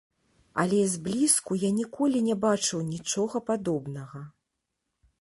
Але зблізку я ніколі не бачыў нічога падобнага.